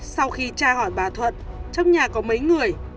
sau khi tra hỏi bà thuận trong nhà có mấy người